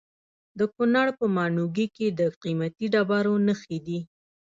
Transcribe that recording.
د کونړ په ماڼوګي کې د قیمتي ډبرو نښې دي.